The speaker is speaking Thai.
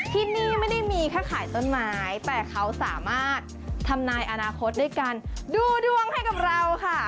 ที่นี่ไม่ได้มีแค่ขายต้นไม้แต่เขาสามารถทำนายอนาคตด้วยการดูดวงให้กับเราค่ะ